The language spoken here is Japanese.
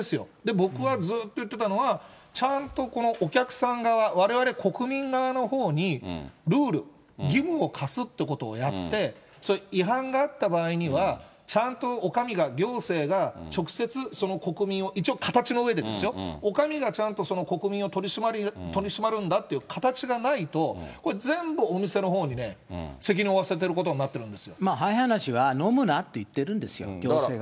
僕はずっと言ってたのは、ちゃんとこのお客さん側、われわれ国民側のほうにルール、義務を課すということをやって、違反があった場合には、ちゃんとお上が、行政が直接、その国民を、一応形のうえでですよ、お上がちゃんと国民を取り締まるんだっていう、形がないと、これ、全部お店のほうに責任を負わせてることになってるんですよ。早い話は飲むなって言ってるんですよ、行政が。